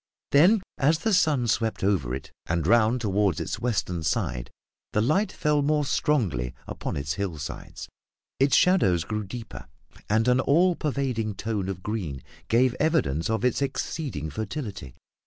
Then, as the sun swept over it and round toward its western side, the light fell more strongly upon its hillsides; its shadows grew deeper, and an all pervading tone of green gave evidence of its exceeding fertility.